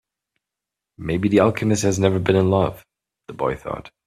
Maybe the alchemist has never been in love, the boy thought.